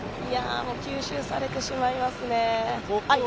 吸収されてしまいますね。